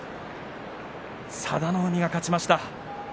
佐田の海が勝ちました。